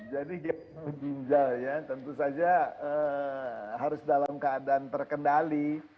jadi ginjal ya tentu saja harus dalam keadaan terkendali